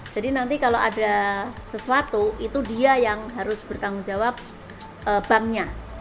jadi nanti kalau ada sesuatu itu dia yang harus bertanggung jawab banknya